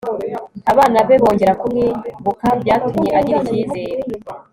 abana be bongera kumwibuka byatumye agira icyizere